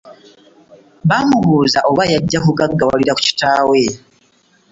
Baamubuuza oba yajja kugaggawalira ku kitaabwe.